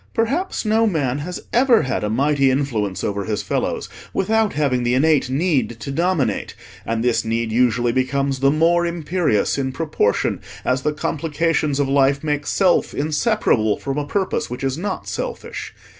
Perhaps no man has ever had a mighty influence over his fellows without having the innate need to dominate, and this need usually becomes the more imperious in proportion as the complications of life make Self inseparable from a purpose which is not selfish.